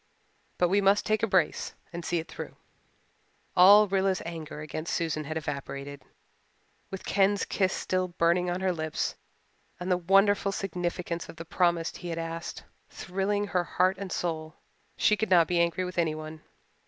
But we must take a brace and see it through." All Rilla's anger against Susan had evaporated. With Ken's kiss still burning on her lips, and the wonderful significance of the promise he had asked thrilling heart and soul, she could not be angry with anyone.